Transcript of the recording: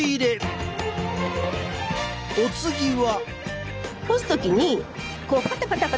お次は？